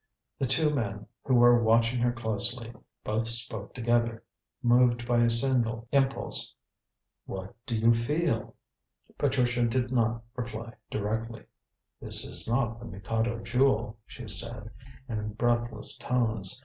The two men, who were watching her closely, both spoke together, moved by a single impulse. "What do you feel?" Patricia did not reply directly. "This is not the Mikado Jewel," she said in breathless tones.